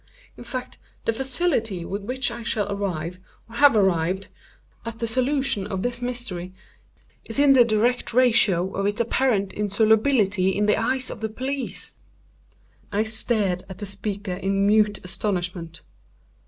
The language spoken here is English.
In fact, the facility with which I shall arrive, or have arrived, at the solution of this mystery, is in the direct ratio of its apparent insolubility in the eyes of the police." I stared at the speaker in mute astonishment.